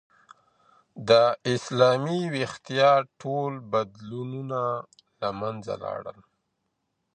د اسلامي ویښتیا ټول بدیلونه له منځه لاړل.